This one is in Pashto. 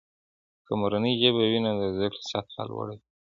که مورنۍ ژبه وي، نو د زده کړې سطحه لوړه وي.